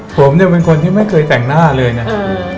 ปกติเนี่ยผมเนี่ยเป็นคนที่ไม่เคยแต่งหน้าเลยเนี่ย